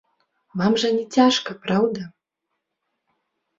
Вам жа не цяжка, праўда?